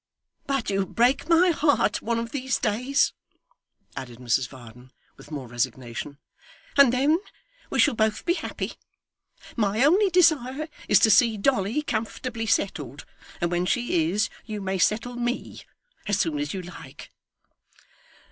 'But you'll break my heart one of these days,' added Mrs Varden, with more resignation, 'and then we shall both be happy. My only desire is to see Dolly comfortably settled, and when she is, you may settle ME as soon as you like.